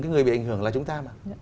cái người bị ảnh hưởng là chúng ta mà